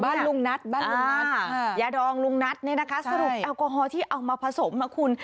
บ้านลุงนัทบ้านลุงนัทยาดองลุงนัทเนี่ยนะคะสรุปแอลกอฮอลที่เอามาผสมนะคุณ